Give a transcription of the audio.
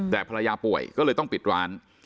แต่ภรรยาป่วยก็เลยต้องปิดร้าน